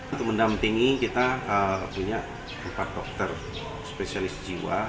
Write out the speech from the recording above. untuk mendampingi kita punya empat dokter spesialis jiwa